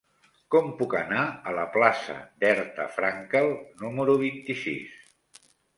Com puc anar a la plaça d'Herta Frankel número vint-i-sis?